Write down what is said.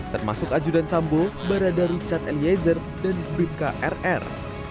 termasuk ajudan sambo barada richard eliezer dan bkrr